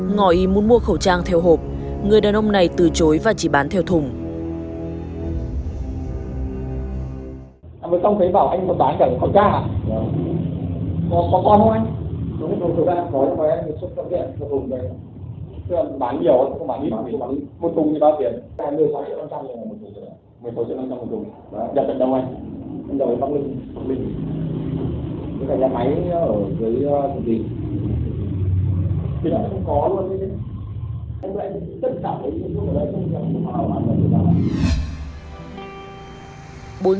ngõ y muốn mua khẩu trang theo hộp người đàn ông này từ chối và chỉ bán theo thùng